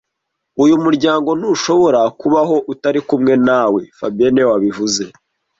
Uyu muryango ntushobora kubaho utari kumwe nawe fabien niwe wabivuze